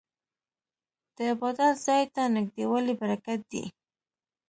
د عبادت ځای ته نږدې والی برکت دی.